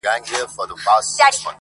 پردى کټ تر نيمو شپو دئ.